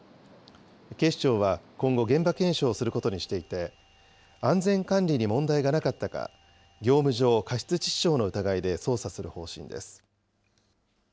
警視庁は、今後、現場検証することにしていて、安全管理に問題がなかったか、業務上過失致死傷の疑いで捜査する方針です。